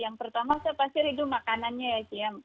yang pertama saya pasti rindu makanannya ya